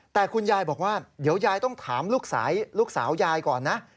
แต่คุณยายบอกว่าเดี๋ยวยายต้องถามลูกสาวยายก่อนนะ